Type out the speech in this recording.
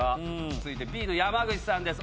続いてＢの山口さんです